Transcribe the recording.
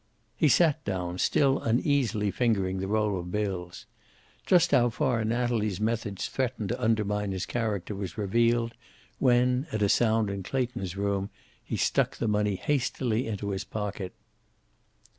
He sat down, still uneasily fingering the roll of bills. Just how far Natalie's methods threatened to undermine his character was revealed when, at a sound in Clayton's room, he stuck the money hastily into his pocket.